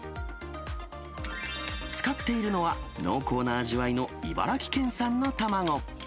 使っているのは、濃厚な味わいの茨城県産の卵。